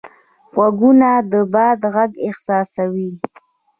غوږونه د باد غږ احساسوي